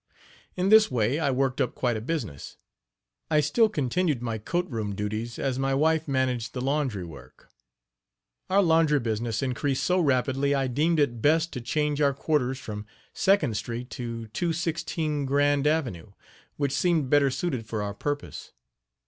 In this way I worked up quite a business. I still continued my coat room duties, as my wife managed the laundry work. Our laundry business increased so rapidly I deemed it best to change our quarters from Second street to 216 Grand avenue, which seemed better suited for our purpose.